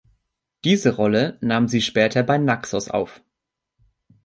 Diese Rolle nahm sie später bei Naxos auf.